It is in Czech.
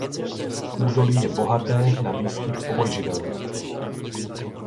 Údolí je bohaté na výskyt obojživelníků.